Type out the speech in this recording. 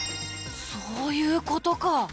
そういうことか。